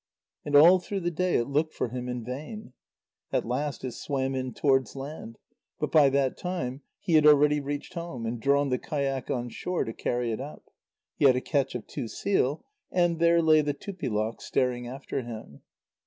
And all through the day it looked for him in vain. At last it swam in towards land, but by that time he had already reached home, and drawn the kayak on shore to carry it up. He had a catch of two seal, and there lay the Tupilak staring after him.